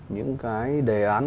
những cái đề án